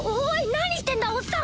何してんだおっさん！